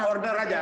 langsung order aja